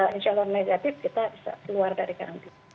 insya allah negatif kita bisa keluar dari karantina